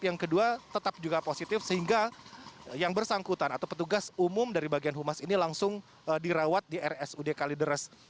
yang kedua tetap juga positif sehingga yang bersangkutan atau petugas umum dari bagian humas ini langsung dirawat di rsud kalideres